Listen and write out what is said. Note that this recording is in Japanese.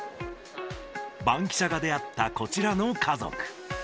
バンキシャが出会った、こちらの家族。